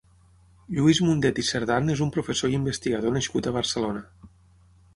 Lluís Mundet i Cerdan és un professor i investigador nascut a Barcelona.